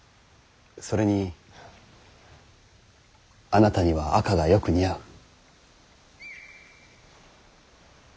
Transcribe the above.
それにあなたには赤がよく似合う。